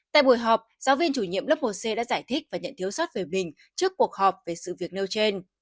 tại buổi họp giáo viên chủ nhiệm lớp một c đã giải thích và nhận thiếu sót về mình trước cuộc họp về sự việc nêu trên